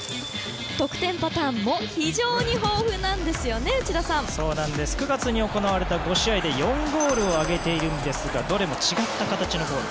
得点パターンも非常に豊富なんですよね、内田さん。９月に行われた５試合で４ゴールを挙げていますがどれも違った形のゴール。